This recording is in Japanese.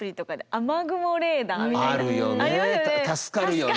助かるよね。